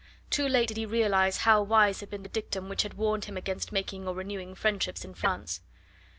Too late did he realise how wise had been the dictum which had warned him against making or renewing friendships in France.